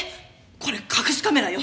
これ隠しカメラよ。